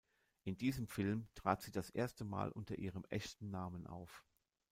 In diesem Film trat sie das erste Mal unter ihrem echten Namen auf.